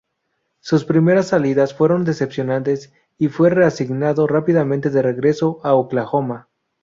Sus primeras salidas fueron decepcionantes, y fue reasignado rápidamente de regreso a Oklahoma.